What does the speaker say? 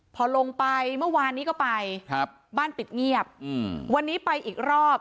พอลงไปเมื่อวานนี้ก็ไปครับบ้านปิดเงียบอืมวันนี้ไปอีกรอบ